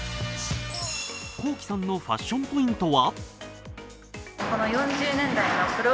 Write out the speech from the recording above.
Ｋｏｋｉ，さんのファッションポイントは？